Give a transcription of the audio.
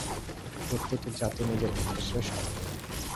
প্রত্যেকটি জাতি নিজের ক্ষেত্রে শ্রেষ্ঠ।